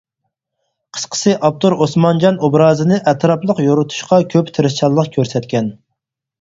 قىسقىسى، ئاپتور ئوسمانجان ئوبرازىنى ئەتراپلىق يورۇتۇشقا كۆپ تىرىشچانلىق كۆرسەتكەن.